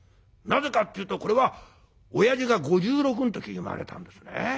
なぜかっていうとこれはおやじが５６ん時に生まれたんですね。